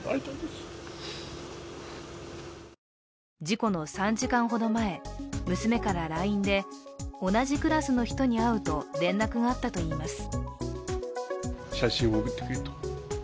事故の３時間ほど前、娘からＬＩＮＥで同じクラスの人に会うと連絡があったといいます。